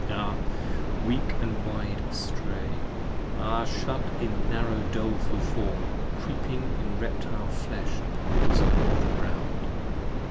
Ah! weak &. wide astray! Ah shut in narrow doleful form! ^Creeping in reptile flesh upon the bosom of the ground!